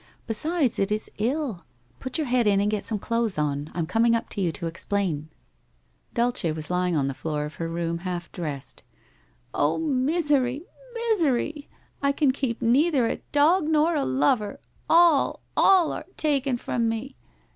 Besides it is ill. Put your head in and get some clothes on. I am com ing up to you to explain.' Dulce was lying on the floor of her room, half dressed. ' Oh, misery ! Misery ! I can keep neither a dog nor a lover! All, all, are taken from me!'